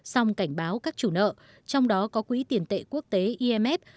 song cảnh báo các chủ nợ trong đó có quỹ tiền tệ quốc tế imf